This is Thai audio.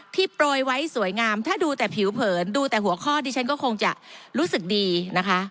โปรยไว้สวยงามถ้าดูแต่ผิวเผินดูแต่หัวข้อดิฉันก็คงจะรู้สึกดีนะคะ